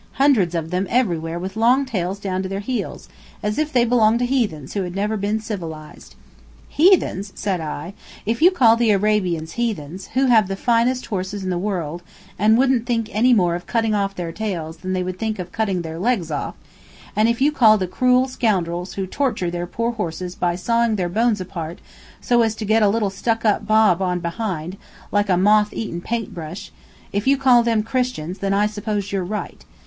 Hundreds of them everywhere with long tails down to their heels, as if they belong to heathens who had never been civilized." "Heathens?" said I. "If you call the Arabians heathens, who have the finest horses in the world, and wouldn't any more think of cutting off their tails than they would think of cutting their legs off; and if you call the cruel scoundrels who torture their poor horses by sawing their bones apart so as to get a little stuck up bob on behind, like a moth eaten paint brush if you call them Christians, then I suppose you're right.